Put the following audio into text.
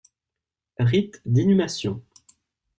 Rites d'inhumation.